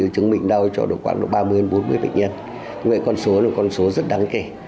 chứng bệnh đau cho khoảng ba mươi bốn mươi bệnh nhân vậy con số là con số rất đáng kể